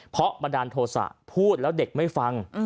เพราะบันดาลโทษะพูดแล้วเด็กไม่ฟัง